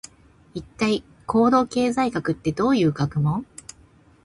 一体、行動経済学ってどういう学問？